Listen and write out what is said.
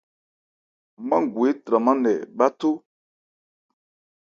Mángu étranmán nkɛ bháthó.